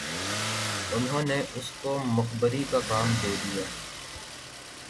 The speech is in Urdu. انہوں نے اس کو مخبری کا کام دے دیا